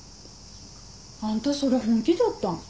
あんたそれ本気じゃった？